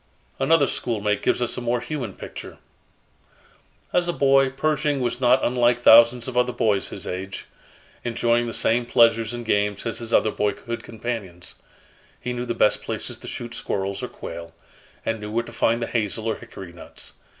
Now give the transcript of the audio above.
'" Another schoolmate gives us a more human picture: "As a boy, Pershing was not unlike thousands of other boys of his age, enjoying the same pleasures and games as his other boyhood companions. He knew the best places to shoot squirrels or quail, and knew where to find the hazel or hickory nuts.